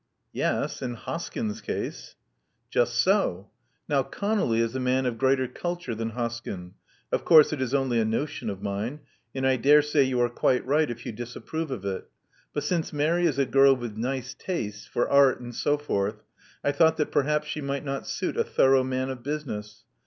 "Yes, in Hoskyn's case." "Just so. Now ConoUy is a man of greater culture than Hoskyn. Of course, it is only a notion of mine ; and I dare say you are quite right if you disapprove of it. But since Mary is a girl with nice tastes — for art and so forth — I thought that perhaps she might not suit a thorough man of business.